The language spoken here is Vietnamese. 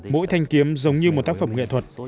mỗi thanh kiếm giống như một tác phẩm nghệ thuật